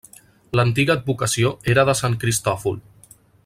L'antiga advocació era de Sant Cristòfol.